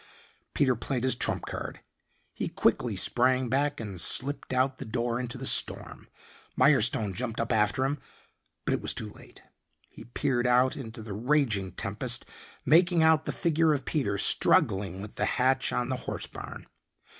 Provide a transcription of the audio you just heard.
Peter played his trump card. He quickly sprang back and slipped out the door into the storm. Mirestone jumped up after him, but it was too late. He peered out into the raging tempest making out the figure of Peter struggling with the hatch on the horse barn.